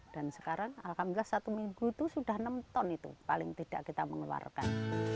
dan sekarang alhamdulillah satu minggu itu sudah enam ton itu paling tidak kita mengeluarkan